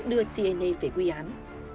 đưa siene về quy án